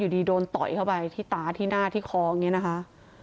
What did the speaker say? ดีโดนต่อยเข้าไปที่ตาที่หน้าที่คออย่างนี้นะคะ